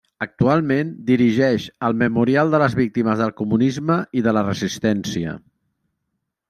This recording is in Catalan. Actualment dirigeix el Memorial de les Víctimes del Comunisme i de la Resistència.